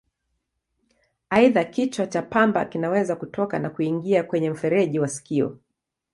Aidha, kichwa cha pamba kinaweza kutoka na kuingia kwenye mfereji wa sikio.